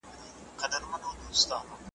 او کله کله بې مفهومه شعرونه د دې لپاره لیکل کیږي